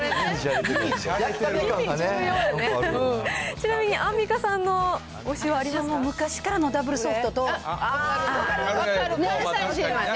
ちなみにアンミカさんの推し昔からもうダブルソフトと、分かる？ね？